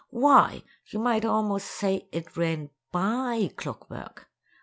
Why, you might almost say it ran by clock work!